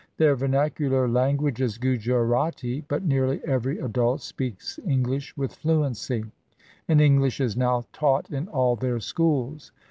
Their vernacu lar language is Gujarati, but nearly every adult speaks English with fluency, and English is now taught in all their schools.